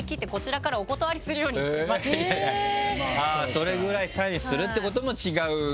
それぐらいサインするってことも違うと。